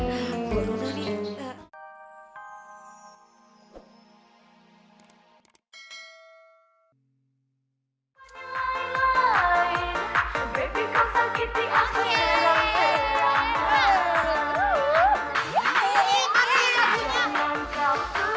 aduh ini keren banget